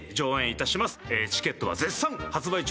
チケットは絶賛発売中です。